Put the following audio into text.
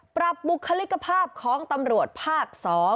บุคลิกภาพของตำรวจภาค๒